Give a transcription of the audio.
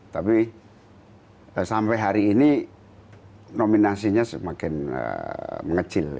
tapi sampai hari ini nominasinya semakin mengecil